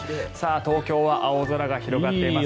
東京は青空が広がっています。